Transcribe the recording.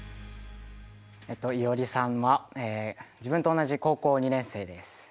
いおりさんは自分と同じ高校２年生です。